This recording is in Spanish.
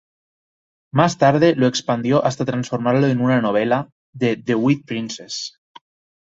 Más tarde lo expandió hasta transformarlo en una novela, "The Wheat Princess".